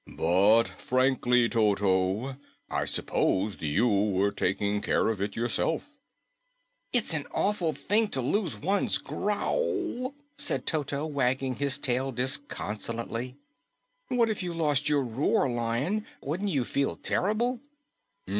"But frankly, Toto, I supposed you were taking care of it yourself." "It's an awful thing to lose one's growl," said Toto, wagging his tail disconsolately. "What if you lost your roar, Lion? Wouldn't you feel terrible?"